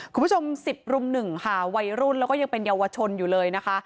คุณผู้ชม๑๐รุม๑ค่ะวัยรุ่นแล้วก็ยังเป็นเยาวชนอยู่เลยนะคะ